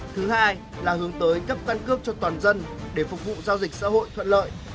thứ hai là hướng tới cấp căn cước cho toàn dân để phục vụ giao dịch xã hội thuận lợi